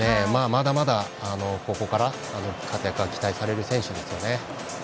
まだまだここから活躍が期待される選手ですよね。